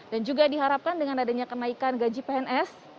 dan juga diharapkan dengan adanya kenaikan gaji pns